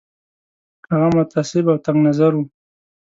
هغه متعصب او تنګ نظر وو.